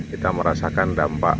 kita merasakan dampak